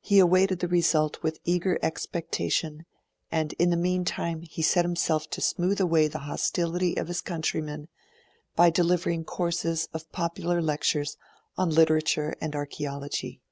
He awaited the result with eager expectation, and in the meantime he set himself to smooth away the hostility of his countrymen by delivering courses of popular lectures on literature and archaeology.